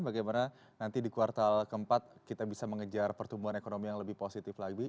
bagaimana nanti di kuartal keempat kita bisa mengejar pertumbuhan ekonomi yang lebih positif lagi